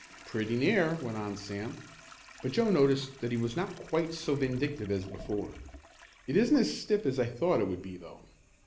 "Pretty near," went on Sam, but Joe noticed that he was not quite so vindictive as before. "It isn't as stiff as I thought it would be, though."